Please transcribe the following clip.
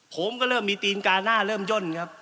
ผมก็เริ่มมีตีนกาหน้าเริ่มย่นครับ